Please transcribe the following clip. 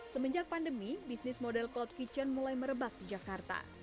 semenjak pandemi bisnis model cloud kitchen mulai merebak di jakarta